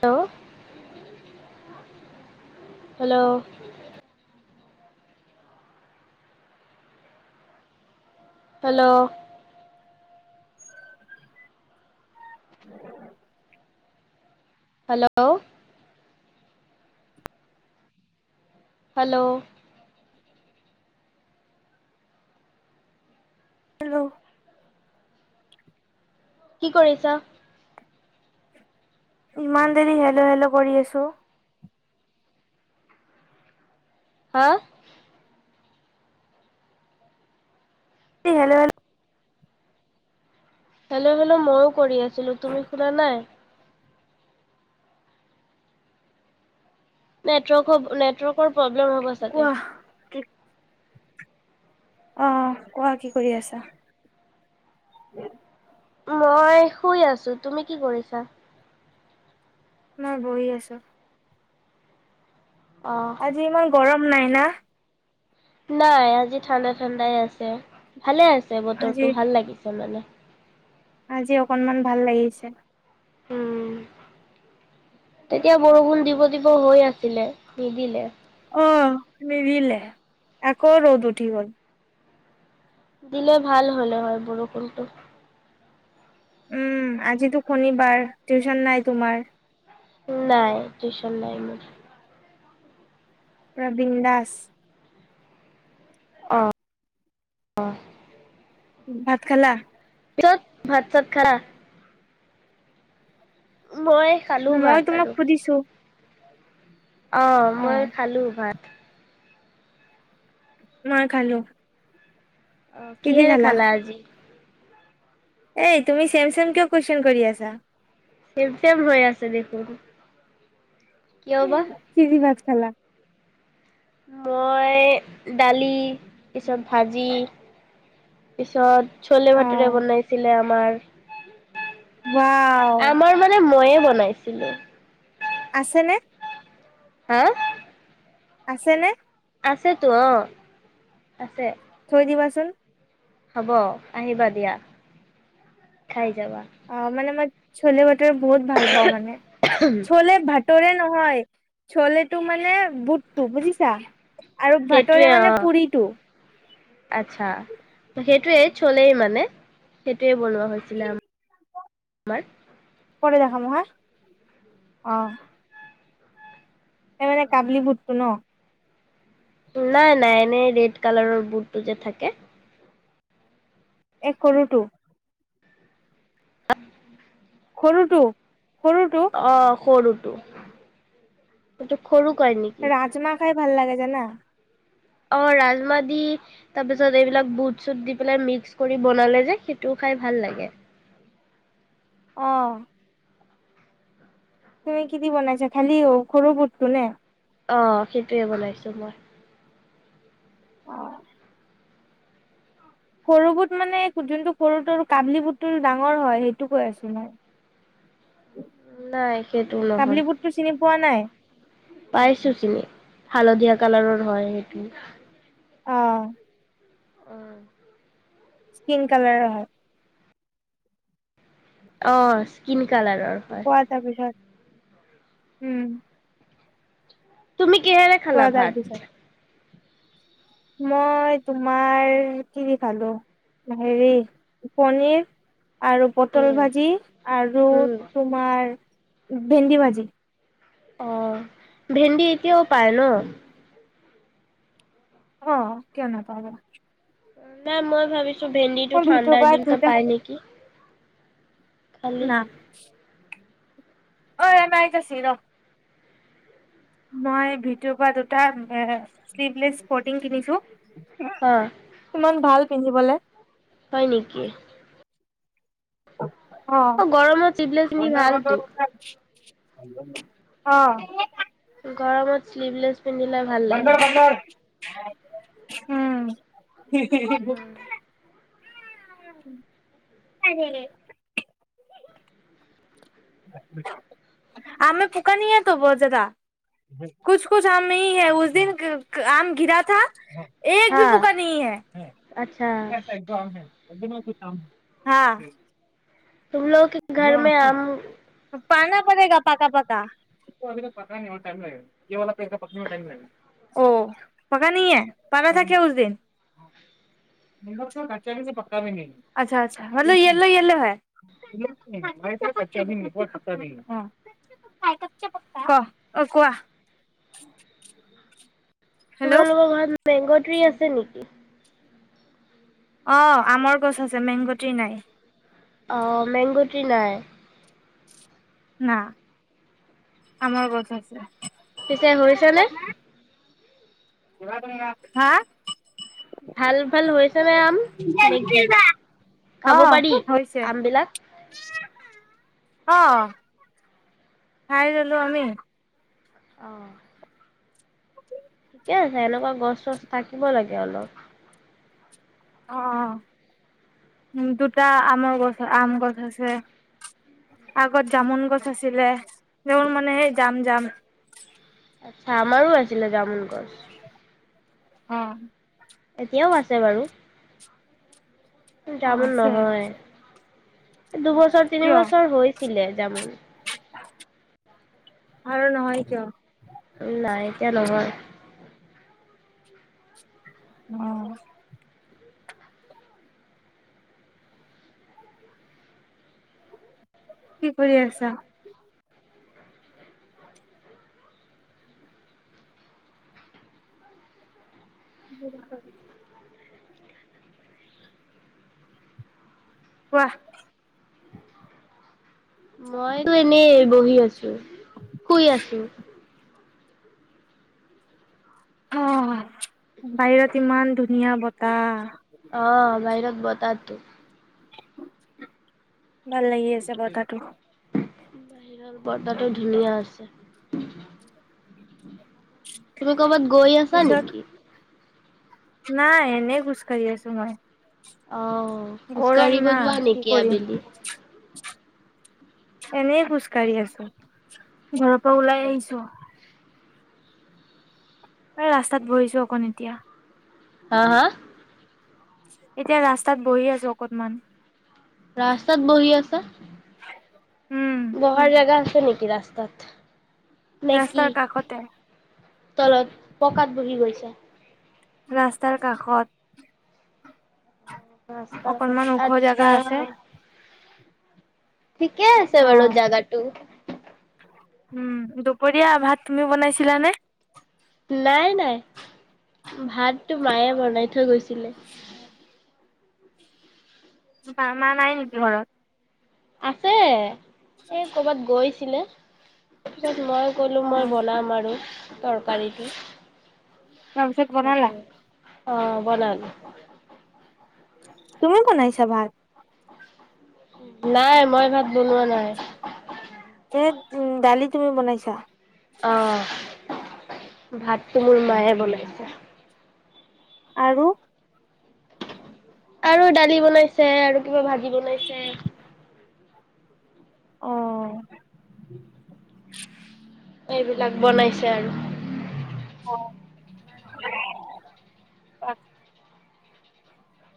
ত' [unintelligible] hello hello hello hello hello কি কৰিছা? ইমান দেৰি হেল্ল'- হেল্ল' কৰি আছো। হা হেল্ল'- হেল্ল' হেল্ল'- হেল্ল' মইয়ো কৰি আছিলো, তুমি শুনা নাই? নেটৱৰ্কৰ-নেটৱৰ্কৰ‌ প্ৰব্লেম। প্ৰব্লেম হ'ব কোৱা চাগে। অহ, কোৱা কি কৰি আছা? মই শুই আছো। তুমি কি কৰিছা? মই বহি আছো। অ আজি ইমান গৰম। নাই ন? নাই, আজি ঠাণ্ডা- ঠাণ্ডাই আছে। ভালে আছে আজি বতৰটো, ভাল লাগিছে। শোলা নে? আজি অকনমান ভাল লাগিছে। উম, তেতিয়া বৰষুণ দিব-দিব হৈ আছিলে, নিদিলে। অ নিদিলে, আকৌ ৰ'দ উঠি গ'ল। দিলে ভাল হ'লে হয় বৰষুণটো। উম, আজিতো শনিবাৰ টিউচন নাই তোমাৰ? নাই, টিউচন নাই মোৰ। প্ৰবীন দাস। আহ অ ভাত খালা ত ভাত চাত খা মই খালো মই ভাত তোমাক আৰু সুধিছো অ মই খালো ভাত মই খালো। অ কি দি কিহেৰে খালা আজি এই তুমি চেম চেম কিয় কুৱেশন কৰি আছা চেম চেম হৈ আছে দেখোন কিয় উ বা কি দি ভাত খালা মই দালি পিছত ভাজি পিছত ছলে অ ভাটৰে বনাইছিলে আমাৰ ৱাও আমাৰ মানে ময়ে বনাইছিলে আছেনে হা আছে নে আছেতো অ আছে আহিবাচোন হ'ব আহিবা দিয়া খাই যাবা অ মানে মই চলে ব টোৱে বহুত ভাল পাওঁ মানে চলে ভা তৰে নহয় চলেতটো মানে বুটটো বুজিছা আৰু সেইটোৱে ভাতৰে অ মানে পুৰিটো আচ্ছা সেইটোৱেই চলেই মানে সেইটোৱে বনোৱা হৈছিলে আমা। মাৰ প দেখাম মহা অহ সে মানে কাবলি বুটটো ন নাই নাই এনেই ৰেড কালাৰৰ বুটটো যে থাকে। এ সৰুটো [unintelligible] সৰুটো সৰুটো অ সৰু টো সৰু কৰে নেকি? ৰাজমাহ খাই ভাল লাগে জানা অ ৰাজমাহ দি তাৰপিছত এইবিলাক বুট চুট দি পেলাই মিক্স কৰি বনালে যে সেইটোও খাই ভাল লাগে। অহ তুমি কি‌দি বনাইছা? খালি সৰু বুতো নে? অ সেইটোৱে বনাইছো মই অ সৰু বুত মানে যোনটো সৰুটোৰ কাবলি বুটটো ডাঙৰ হয় সেইটো কৈ আছো মই নাই সেইটো কাবলি নহয় বুটটো চিনি পোৱা নাই, পাইছো চিনি হালধীয়া কালাৰৰ হয় সেইটো অ অহ স্কিন কালাৰ হয় অ স্কিন কালাৰ কোৱা তাৰ পিছত উম তুমি কিহেৰে কোৱা খালা ভাত? তাৰপিছত মই তোমাৰ কি কি খালো হেৰি পনীৰ আৰু পটল উম ভাজি আৰু উম তোমাৰ ভেন্দি ভাজি আহ ভেন্দি এতিয়াও পায় ন, অহ কিয় না পাবা? না মই ভাবিছো- ভেন্দিটো ভিতৰ ঠাণ্ডাৰ পৰা দিন ত দুটা পায় নেকি? খালি না অঐ আইত আছে ৰ মই ভিটৰ পৰা দুটা শ্লিভলেছ‌ ইছপৰ্টিং কিনিছো। হা ইমান ভাল পিন্ধিবলে হয় নেকি? অ অ গৰমত চিভলেছ ভাল তো, অ গৰমত শ্লিভলেছ পিন্ধিলে ভাল লাগে উম হি হি হি হি [unintelligible] আমে পুকা নাই হে টো বহুত জাদা কোচ কোচ আম নাহি হে উচ্ দিন আম গিৰা থা এক বি হা পোকা নাহি হে। আচ্ছা হ চ একদম হ [unintelligible] হা। টোমলগ ঘৰ মে আম পাৰনা পৰেগা পকা পকা মতলব য়েল্লো য়েল্লো হে। অঁ অঁ কোৱা। হেল্ল' তোমালোকৰ ঘৰত নাই। মেংগ' ট্ৰি আছে নেকি? অঁ, আমৰ গছ আছে মেংগটি নাই। অঁ, মেংগতৃ নাই। ন আমাৰ গছ আছে। পিছে হৈছে নে? হা। ভাল ভাল হৈছে নে আম নেকি অ খাব পাৰি আমবিলাক। অঁ খাই ললো আমি। অঁ। উ [unintelligible] এহ তেওঁলোক। গছ চছ থাকিব লাগে। হেল্ল। অঁ অঁ উম, দুটা আমৰ গছ আম গছ আছে আগত জামুন গছ আছিলে মানে সেই জাম জাম। আচ্ছা আমাৰো আছিলে জামুন গছ।। অঁ। এতিয়াও আছে বাৰু। অ জামুুন আছে নহয়। দুবছৰ কিয় তিনিবছৰ হৈছিলে জামুন, আৰু নহয় কিয়? নাই এতিয়া নহয়, উম। কি কৰি আছা? [unintelligible] কোৱা, মইতো এনেই বহি আছো শুই আছো, অঁ, বাহিৰত ইমান ধুনীয়া বতাহ। অঁ, বাহিৰত। বতৰটো। ভাল লাগি আছে বতৰটো বাহিৰত বতাহটো ধুনীয়া আছে। তুমি কৰ'বাত গৈ আছা পিছত নেকি? নাই এনে খুজ কঢ়ি আছো মই অ গৰম খোজকাঢ়িব না যোৱা কি নেকি কৰিম আবেলি এনে খোজকাঢ়ি আছো ঘৰৰ পৰা ওলাই আহিছো এই ৰাস্তাত বহিছো অকণ এতিয়া, হা হা এতিয়া ৰাস্তাত বহি আছো অকনমান। ৰাস্তাত বহি আছা উম বহাৰ জেগা আছে নেকি ৰাস্তাত নে কি ৰাস্তাৰ কাষতে তলত পকাত বহি গৈছে ৰাস্তাৰ কাষত ৰাস্তাৰ অকনমান কাষত ওখ আচ্ছা জেগা আছে উম ঠিকে আছে অ বাৰু জাগাটো উম দুপৰীয়া ভাত তুমি বনাইছা? লানে নাই নাই ভাতটো মায়ে বনাই থৈ গৈছিলে বা মা নাই নেকি ঘৰত আছে এ কৰ'বাত গৈছ হেল তাৰপিছত মই কলো অ মই বনাম আৰু তৰকাৰীটো তাৰপিছত বনালা? সেইটো অ বনালো। তুমি বনাইছা ভাত? নাই মই ভাত বনোৱা নাই এ উম দালি তুমি বনাইছা? অহ ভাতটো মোৰ মায়ে বনাইছে আৰু আৰু দালি বনাইছে আৰু কিবা ভাজি বনাইছে। অ এইবিলাক বনাইছে আৰু অ অ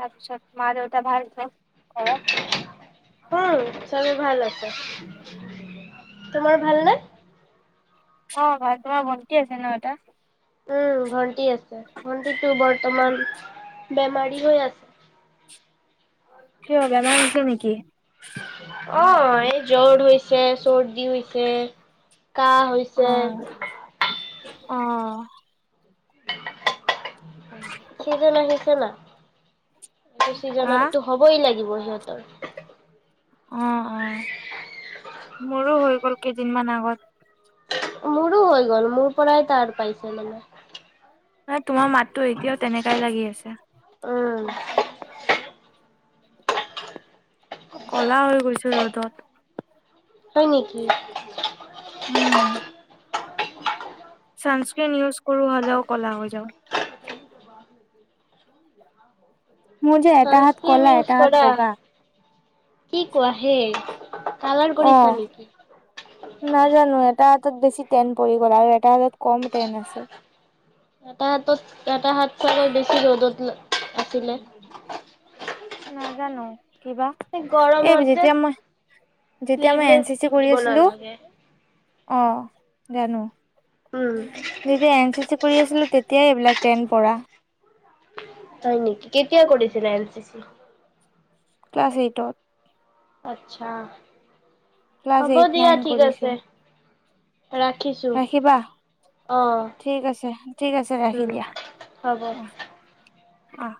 তাৰপিছত মা দেউতা ভাল ন ঘৰত উম চবেই ভাল আছে তোমাৰ ভাল নে অ ভাল তোমাৰ ভন্তি আছে ন এটা উম ভণ্টি আছে ভণ্টিটো বৰ্তমান বেমাৰী হৈ আছে কিবা বেমাৰ হৈছে নেকি অ এই জ্বৰ হৈছে চৰ্দি হৈছে কাঁহ হৈছে অ [unintelligible] চিজন আহিছে না হা চিজনতো হ'বই লাগিব সিহঁতৰ অ অ মোৰো হৈ গ'ল কেইদিনমান আগত মোৰো হৈ গ'ল মোৰ পৰাই তাৰ পাইছে মানে নাই তোমাৰ মাত তো এতিয়াও তেনেকাই লাগি আছে উম, ক'লা হৈ গৈছে ৰ'দত হয় নেকি ছানস্ক্ৰিন ইউজ কৰোঁ হ'লেও ক'লা হৈ যাওঁ হ [unintelligible] মোৰ যে এটা হাত কলা এটা হাত বগা কি কোৱা হে কালাৰ অ কৰিছা নেকি? নাজানো এটা বেছি টেনট পৰি গ'ল আৰু এটা কম টেন আছে এটা হাতত এটা হাত চাগৈ বেছি ৰ'দত আছিলে নাজানো কিবা এই এই গৰমত যে যেতিয়া মই যেতিয়া মই এন শ্লিভলেছ চি চি কৰি পিন্ধিব আছিলোঁ নালাগে। অ জানো উম, যেতিয়া এন চি চি কৰি আছিলোঁ তেতিয়াই এইবিলাক টেন পৰা হয় নেকি কেতিয়া কৰিছিলা এন চি চি ক্লাছ এইটত আচ্ছা ক্লাছ হ'ব এইট দিয়া নাইন ঠিক কৰিছো। আছে ৰাখিছোঁ ৰাখিবা অঁ ঠিক আছে ঠিক আছে ৰাখি দিয়া হ'ব অ। অ